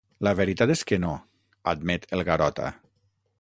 La veritat és que no —admet el Garota—.